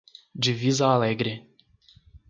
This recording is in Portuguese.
Divisa Alegre